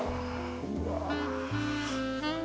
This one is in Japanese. うわ。